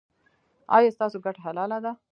ایا ستاسو ګټه حلاله ده؟